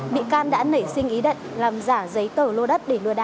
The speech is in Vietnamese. bị can đã nảy sinh ý định làm giả giấy tờ lô đất để lừa đảo